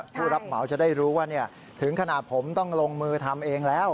ผู้รับเหมาจะได้รู้ว่าถึงขนาดผมต้องลงมือทำเองแล้ว